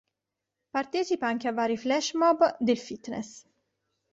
Partecipa anche a vari flash mob del fitness.